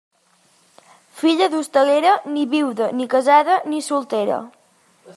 Filla d'hostalera, ni viuda, ni casada, ni soltera.